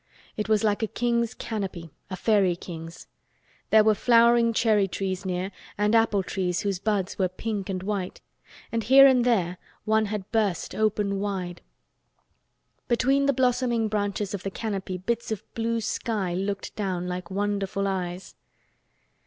It was like a king's canopy, a fairy king's. There were flowering cherry trees near and apple trees whose buds were pink and white, and here and there one had burst open wide. Between the blossoming branches of the canopy bits of blue sky looked down like wonderful eyes.